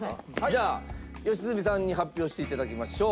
じゃあ良純さんに発表して頂きましょう。